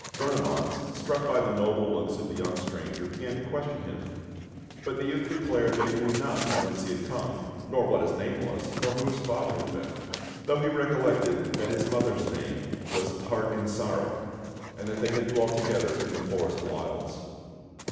Gurnemanz, struck by the noble looks of the young stranger, began to question him; but the youth declared that he knew not from whence he had come, nor what his name was, nor who his father had been, though he recollected that his mother's name was "Heart in Sorrow," and that they had dwelt together in the forest wilds.